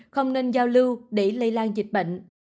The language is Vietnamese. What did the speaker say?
không nên giao lưu để lây lan dịch bệnh